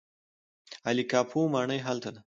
عالي قاپو ماڼۍ هلته ده.